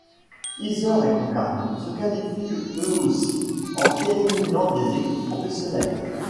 Yzeure et Concarneau se qualifient eux aussi en éliminant des équipes professionnelles.